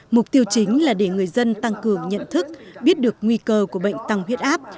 mục tiêu chính là để người dân tăng cường nhận thức biết được nguy cơ của bệnh tăng huyết áp